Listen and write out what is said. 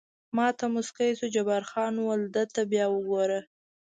ما ته موسکی شو، جبار خان وویل: ده ته بیا وګوره.